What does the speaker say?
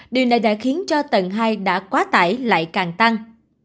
điều này đã khiến cho tầng hai đã quá tải lại càng tăng